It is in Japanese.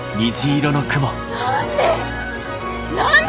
何で？